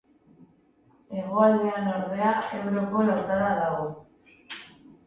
Hegoaldean ordea Ebroko lautada dago.